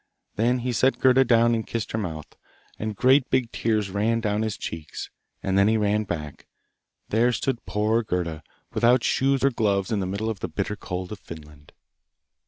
Then he set Gerda down and kissed her mouth, and great big tears ran down his cheeks, and then he ran back. There stood poor Gerda, without shoes or gloves in the middle of the bitter cold of Finland.